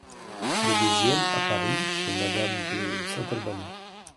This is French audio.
Le deuxième, à Paris, chez madame de Saint-Albano.